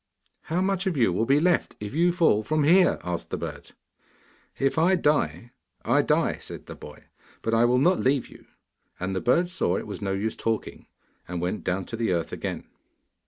'How much of you will be left if you fall from here?' asked the bird. 'If I die, I die,' said the boy, 'but I will not leave you.' And the bird saw it was no use talking, and went down to the earth again.